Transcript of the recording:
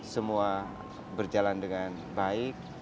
semua berjalan dengan baik